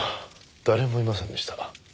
誰もいませんでした。